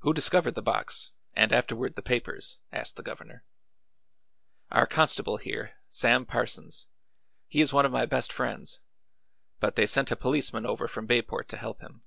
"Who discovered the box, and afterward the papers?" asked the Governor. "Our constable here, Sam Parsons. He is one of my best friends. But they sent a policeman over from Bayport to help him."